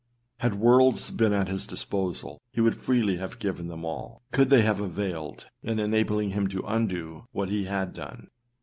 Had worlds been at his disposal, he would freely have given them all, could they have availed, in enabling him to undo what he had done.